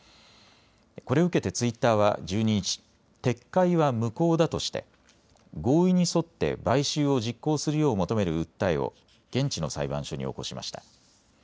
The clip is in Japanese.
これを受けてツイッターは１２日、撤回は無効だとして合意に沿って買収を実行するよう求める訴えを現地の裁判所に起こしました。